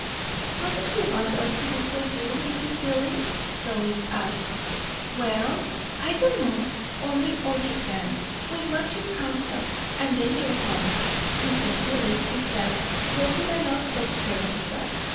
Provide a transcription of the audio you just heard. "What do you want us to do for you, Mrs. Seelye?" Lois asked. "Well, I don't know; only all you can. We want your counsel, and then your help. Mr. Seelye he said, Go to the Lothrop girls first.